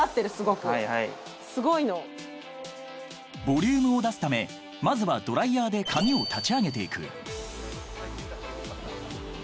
［ボリュームを出すためまずはドライヤーで髪を立ち上げていく］